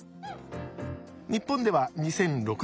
日本では２００６年